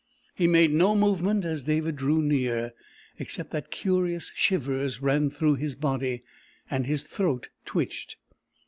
He made no movement as David drew near, except that curious shivers ran through his body, and his throat twitched.